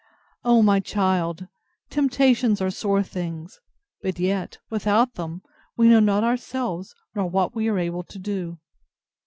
O my child! temptations are sore things,—but yet, without them, we know not ourselves, nor what we are able to do.